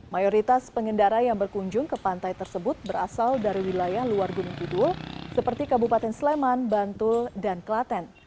mayoritas pengendara yang berkunjung ke pantai tersebut berasal dari wilayah luar gunung kidul seperti kabupaten sleman bantul dan klaten